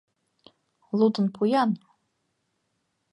— Лудын пу-ян.